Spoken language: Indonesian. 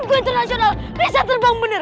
boem international bisa terbang bener